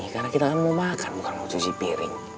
karena kita kan mau makan bukan mau cuci piring